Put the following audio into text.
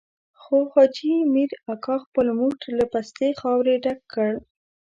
خو حاجي مير اکا خپل موټ له پستې خاورې ډک کړ.